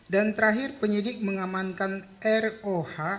dan terakhir penyidik mengamankan roh